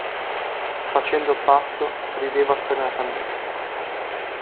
Facendo il pazzo, rideva sfrenatamente.